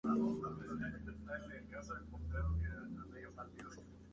Se le adjudica la creación del alfabeto coreano, Hangul.